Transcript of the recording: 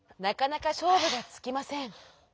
なかなかしょうぶがつきません。